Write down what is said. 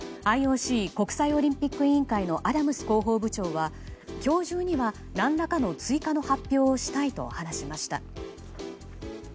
ＩＯＣ・国際オリンピック委員会のアダムス広報部長は今日中には何らかの追加の発表をしたいと話しました。